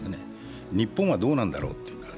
日本はどうなんだろうか。